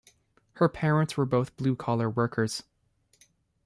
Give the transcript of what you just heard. Her parents were both blue collar workers.